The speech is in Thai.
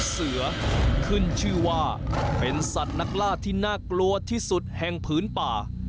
เสือขึ้นชื่อว่าเป็นสัตว์นักล่าที่น่ากลัวที่สุดแห่งพื้นป่า